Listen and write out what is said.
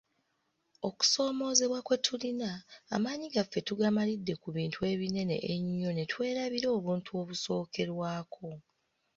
Okusoomoozebwa kwe tulina, amaanyi gaffe tugamalidde ku bintu ebinene ennyo ne twerabira obuntu obusookerwako.